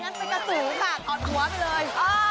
อันนั้นเป็นกระสูกค่ะออกหัวไปเลย